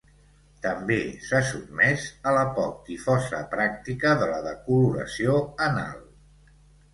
També s'ha sotmès a la poc difosa pràctica de la decoloració anal.